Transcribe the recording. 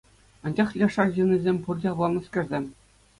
Анчах леш арҫынӗсем — пурте авланнӑскерсем.